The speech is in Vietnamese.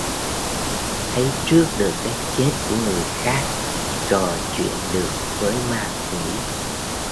Thấy trước được cái chết của người khác trò chuyện được với ma quỷ